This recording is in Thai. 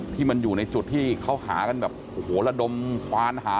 ที่มันอยู่ในจุดที่เขาหากันแบบโอ้โหระดมควานหา